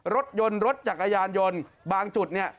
รถยนต์รถจักรยานยนต์บางจุดเนี่ย